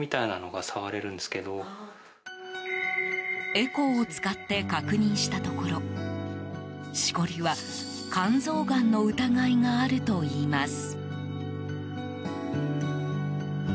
エコーを使って確認したところしこりは肝臓がんの疑いがあるといいます。